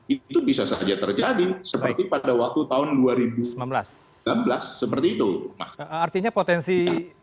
itu bisa saja terjadi seperti pada waktu tahun dua ribu sembilan belas seperti itu artinya potensi